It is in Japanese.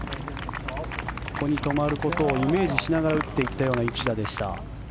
ここに止まることをイメージしながら打っていったような一打でした。